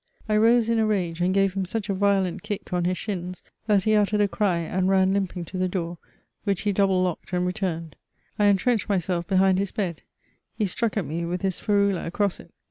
I rose in a rage, and gave him such a vident kick on his shins, that he uttered a cry and ran limping to the door, which he double locked and letumed. I intrenched myscdf behind his bed. He struck at me with his ferula across it.